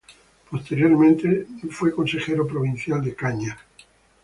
Posteriormente fue consejero provincial de Cañar.